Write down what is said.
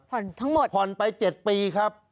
ทั้งหมดผ่อนไป๗ปีครับ